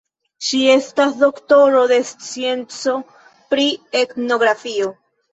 Ŝi estas doktoro de scienco pri etnografio.